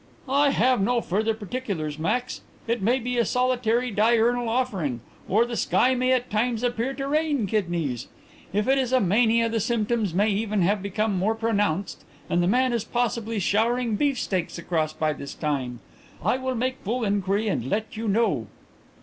"I have no further particulars, Max. It may be a solitary diurnal offering, or the sky may at times appear to rain kidneys. If it is a mania the symptoms may even have become more pronounced and the man is possibly showering beef steaks across by this time. I will make full inquiry and let you know."